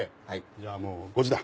じゃあもう５時だ。